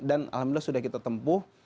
dan alhamdulillah sudah kita tempuh